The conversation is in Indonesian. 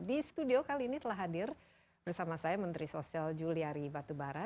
di studio kali ini telah hadir bersama saya menteri sosial juliari batubara